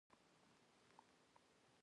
ملګري ملتونه همکار دي